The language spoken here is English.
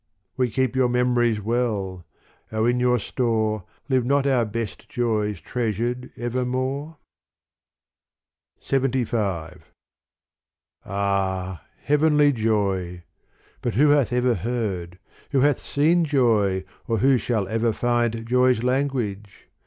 We keep your memories well : O in your store Live not our best joys treasured evermore ? LXXV Ah heavenly joy ! But who hath ever heard, Who hath seen joy, or who shall ever find Joy's language